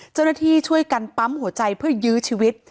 เจ้าหน้าที่ช่วยกันปั๊มหัวใจเพื่อยื้อชีวิต